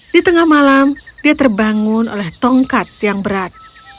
di tengah malam dia terbangun oleh tongkat yang berat